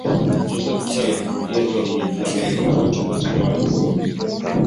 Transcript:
Joseph Kusaga mkurugenzi na mmliki wa chombo cha Clouds